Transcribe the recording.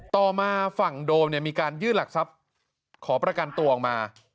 ต่อมาฝั่งโดมมีการยื่นหลักทรัพย์ขอประกันตัวออกมา